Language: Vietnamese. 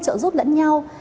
trợ giúp lẫn nhau